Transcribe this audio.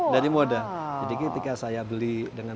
jadi ketika saya beli dengan tiga empat